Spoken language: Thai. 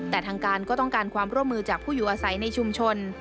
แต่ทางการก็ต้องการความร่วมมือจากผู้อยู่อาศัยในชุมชน